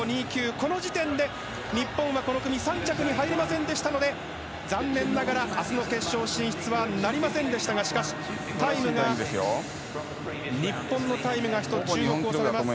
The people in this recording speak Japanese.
この時点で日本は、この組３着に入りませんでしたので残念ながら明日の決勝進出はなりませんでしたがしかし日本のタイムが１つ注目されます。